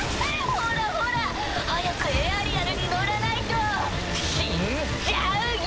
ほらほら早くエアリアルに乗らないと死んじゃうよ！